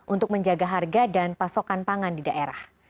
untuk menjaga harga dan pasokan pangan di daerah